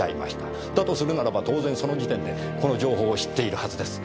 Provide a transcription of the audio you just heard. だとするならば当然その時点でこの情報を知っているはずです。